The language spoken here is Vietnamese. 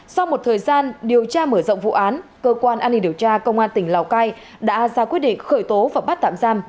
sau một thời gian điều tra mở rộng vụ án cơ quan an ninh điều tra công an tỉnh lào cai đã ra quyết định khởi tố và bắt tạm giam